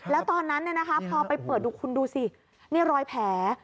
แล้วตอนนั้นพอไปเปิดดูคุณดูสินี่รอยแผล